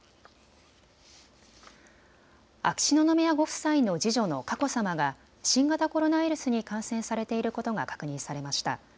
秋篠宮ご夫妻の次女の佳子さまが新型コロナウイルスに感染されていることが確認されました。